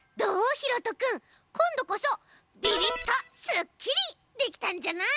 ひろとくんこんどこそビビッとスッキリできたんじゃない？